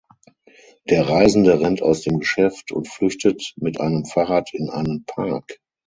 Der Reisende rennt aus dem Geschäft und flüchtet mit einem Fahrrad in einen Park.